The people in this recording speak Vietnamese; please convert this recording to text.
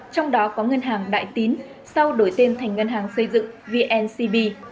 trong đó có ngân hàng đại tín sau đổi tên thành ngân hàng xây dựng vncb